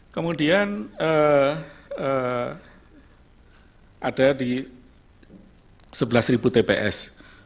kemudian ada di sebelas tps